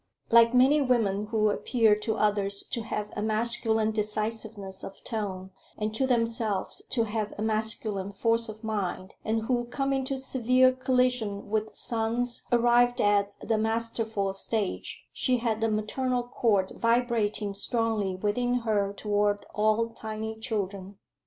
Like many women who appear to others to have a masculine decisiveness of tone, and to themselves to have a masculine force of mind, and who come into severe collision with sons arrived at the masterful stage, she had the maternal cord vibrating strongly within her toward all tiny children.